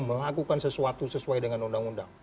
melakukan sesuatu sesuai dengan undang undang